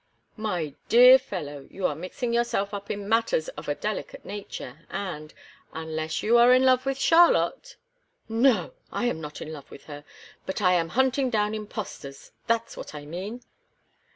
"My dear fellow, you are mixing yourself up in matters of a delicate nature, and unless you are in love with Charlotte " "No I am not in love with her but I am hunting down imposters, that's what I mean!"